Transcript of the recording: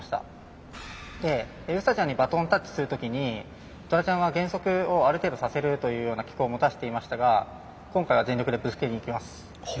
でウサちゃんにバトンタッチする時にトラちゃんは減速をある程度させるというような機構を持たせていましたが今回は全力でぶつけにいきます。